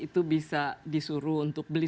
itu bisa disuruh untuk beli